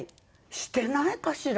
してないかしら？